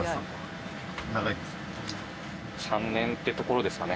３年ってところですかね